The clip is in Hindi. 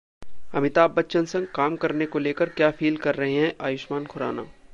अमिताभ बच्चन संग काम करने को लेकर क्या फील कर रहे हैं आयुष्मान खुराना?